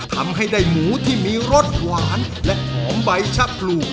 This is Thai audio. ทำให้ได้หมูที่มีรสหวานและหอมใบชะพลู